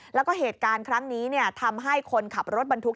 แล้วก็เหตุการณ์ครั้งนี้ทำให้คนขับรถบรรทุก